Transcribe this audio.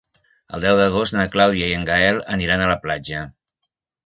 El deu d'agost na Clàudia i en Gaël aniran a la platja.